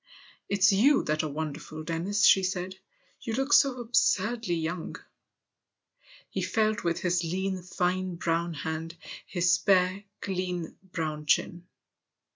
" It's you that are wonderful, Dennis," she said ;" you look so absurdly young." He felt with his lean, fine brown hand his spare, clean brown chin.